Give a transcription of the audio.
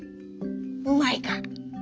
「うまいか？